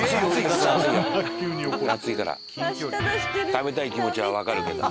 食べたい気持ちは分かるけど。